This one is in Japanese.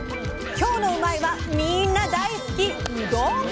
今日の「うまいッ！」はみんな大好きうどん！